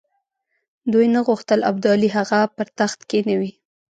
دوی نه غوښتل ابدالي هغه پر تخت کښېنوي.